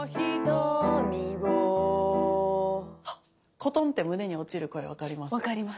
コトンって胸に落ちる声分かります？